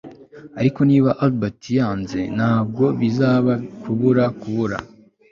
Ariko niba Albert yanze ntabwo bizaba kubura kubura